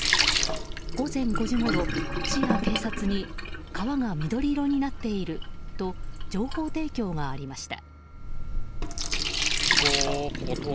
午前５時ごろ、市や警察に川が緑色になっていると情報提供がありました。